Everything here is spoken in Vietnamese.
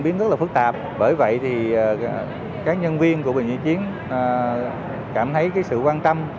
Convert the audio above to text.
biến rất là phức tạp bởi vậy thì các nhân viên của bệnh viện giã chiến cảm thấy sự quan tâm